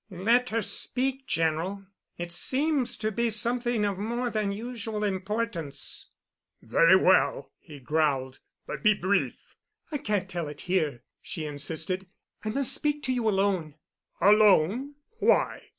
"Let her speak, General. It seems to be something of more than usual importance." "Very well," he growled, "but be brief." "I can't tell it here," she insisted. "I must speak to you alone." "Alone? Why?"